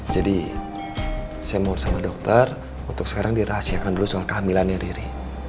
jadi saya mohon sama dokter untuk sekarang dirahasiakan dulu soal kehamilannya riri